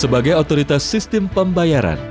sebagai otoritas sistem pembayaran